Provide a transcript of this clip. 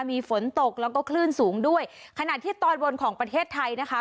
มีฝนตกแล้วก็คลื่นสูงด้วยขณะที่ตอนบนของประเทศไทยนะคะ